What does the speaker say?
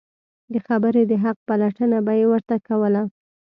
د خبرې د حق پلټنه به یې ورته کوله.